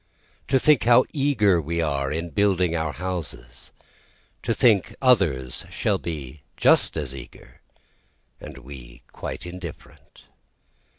To think how eager we are in building our houses, To think others shall be just as eager, and we quite indifferent.